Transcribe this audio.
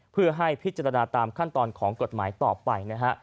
เพื่อให้พิจารณาตามขั้นตอนของกฎหมายต่อไปนะฮะ